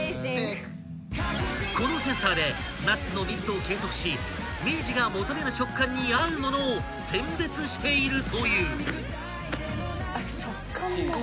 ［このセンサーでナッツの密度を計測し明治が求める食感に合う物を選別しているという］